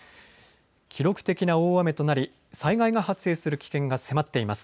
記録的な大雨となり災害が発生する危険が迫っています。